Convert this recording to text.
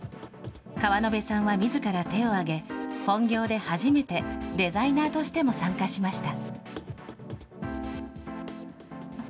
川野辺さんはみずから手を挙げ、本業で初めてデザイナーとしても参加しました。